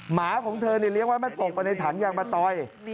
หมาของเธอเนี่ยเลี้ยงไว้มันตกไปในถังยางมะตอย